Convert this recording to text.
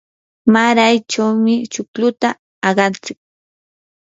maraychawmi chukluta aqantsik.